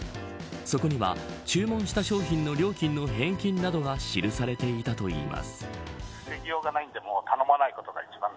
そこには、注文した商品の料金の返金などが記されていたといいます。